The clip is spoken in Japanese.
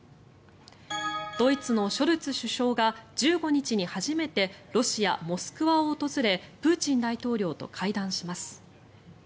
ドイツのショルツ首相が１５日に初めてロシア・モスクワを訪れプーチン大統領と会談します。